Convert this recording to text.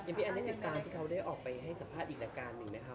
ยังมีอันใดในการที่เขาได้ออกไปให้สัมภาษณ์อีกในการหนึ่งไหมคะ